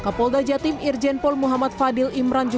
kapolda jati irjenpol muhammad fadil imran